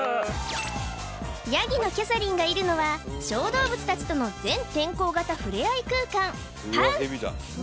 ヤギのキャサリンがいるのは小動物たちとの全天候型ふれあい空間ＰＡＷ